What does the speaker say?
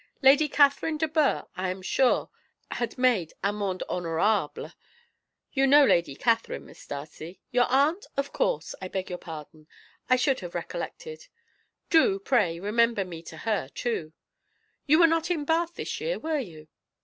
Lady Catherine de Bourgh, I am sure, had made amende honorable. You know Lady Catherine, Miss Darcy? Your aunt? Of course, I beg your pardon; I should have recollected. Do, pray, remember me to her, too. You were not in Bath this year, were you?